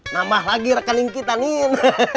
namah lagi rekening kita nien